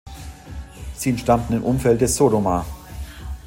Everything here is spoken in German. Sie entstammen dem Umfeld des Sodoma.